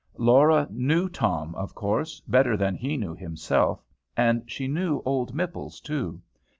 Laura knew Tom, of course, better than he knew himself, and she knew old Mipples too.